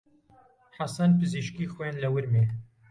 حەسەن پزیشکی خوێند لە ورمێ.